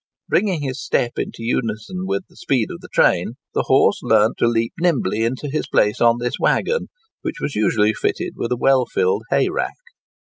Bringing his step into unison with the speed of the train, the horse learnt to leap nimbly into his place in this waggon, which was usually fitted with a well filled hay rack.